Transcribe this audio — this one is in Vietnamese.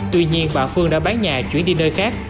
tuy nhiên bà phương đã bán nhà chuyển đi nơi khác